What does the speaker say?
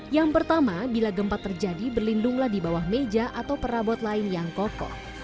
yang pertama bila gempa terjadi berlindunglah di bawah meja atau perabot lain yang kokoh